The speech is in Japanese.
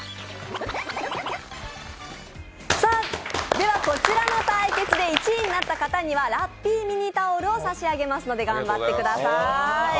では、こちらの対決で１位になった方にはラッピーミニタオルを差し上げますので頑張ってください。